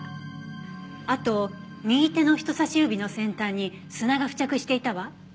あと右手の人さし指の先端に砂が付着していたわ。